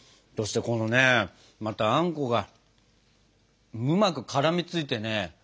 そしてこのねあんこがうまく絡みついてね